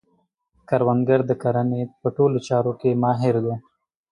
کروندګر د کرنې په ټولو چارو کې ماهر دی